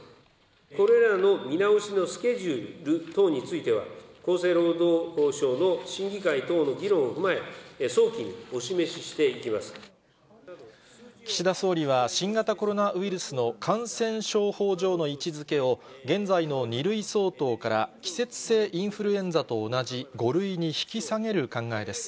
これらの見直しのスケジュール等については、厚生労働省の審議会等の議論を踏まえ、岸田総理は、新型コロナウイルスの感染症法上の位置づけを、現在の２類相当から季節性インフルエンザと同じ５類に引き下げる考えです。